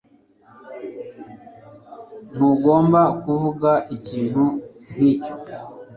Ntugomba kuvuga ikintu nkicyo.